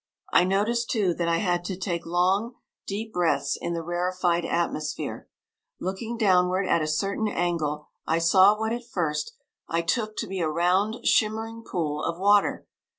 I noticed, too, that I had to take long, deep breaths in the rarefied atmosphere. Looking downward at a certain angle, I saw what at first I took to be a round, shimmering pool of water.